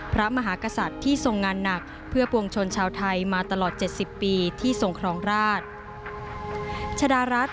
พระมหากษัตริย์ที่ทรงงานหนักเพื่อปวงชนชาวไทยมาตลอด๗๐ปีที่ทรงครองราช